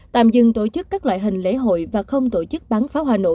tạm dừng tổ chức các loại hình lễ hội và không tổ chức bán pháo hòa nổ